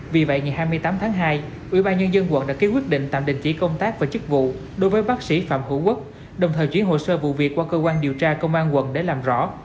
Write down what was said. vì vậy ngày hai mươi tám tháng hai ubnd quận đã ký quyết định tạm đình chỉ công tác và chức vụ đối với bác sĩ phạm hữu quốc đồng thời chuyển hồ sơ vụ việc qua cơ quan điều tra công an quận để làm rõ